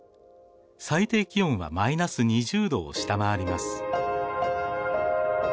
最低気温はマイナス２０℃を下回ります。